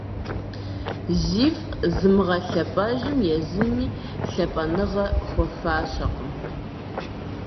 Зифӏ зымыгъэлъэпӏэжым езыми лъапӏэныгъэ хуэфащэкъым.